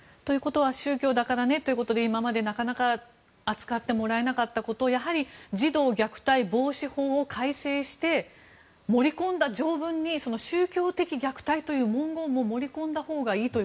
宗教だからということで今までなかなか扱ってもらえなかったことを児童虐待防止法を改正して、盛り込んだ条文に宗教的虐待という文言も盛り込んだほうがいいと。